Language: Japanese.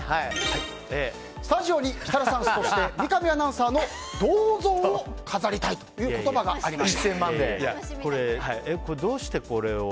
スタジオに設楽さん、三上さんの銅像を飾りたいという言葉がありました。